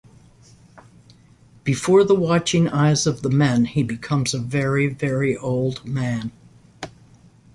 Before the watching eyes of the men, he becomes a very, very old man.